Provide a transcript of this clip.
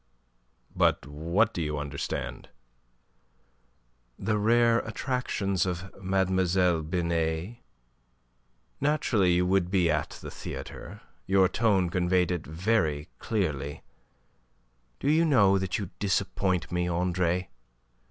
"But what do you understand?" "The rare attractions of Mlle. Binet. Naturally you would be at the theatre. Your tone conveyed it very clearly. Do you know that you disappoint me, Andre?